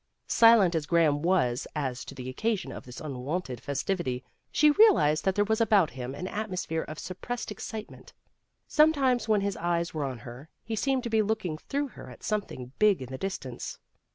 Silent as Graham was as to the occasion of this unwonted festivity, she real ized that there was about him an atmosphere of suppressed excitement. Sometimes, when his eyes were on her, he seemed to be looking through her at something big in the distance.